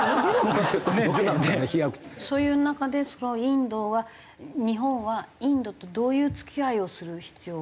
そういう中でインドは日本はインドとどういう付き合いをする必要があると？